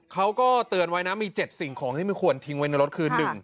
เขาก็เตือนไว้นะมี๗สิ่งของที่ไม่ควรทิ้งไว้ในรถคือ